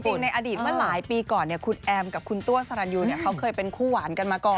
ในอดีตเมื่อหลายปีก่อนคุณแอมกับคุณตัวสรรยูเขาเคยเป็นคู่หวานกันมาก่อน